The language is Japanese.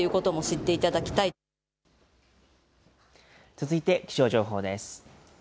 続いて、気象情報です。